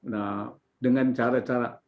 nah dengan cara cara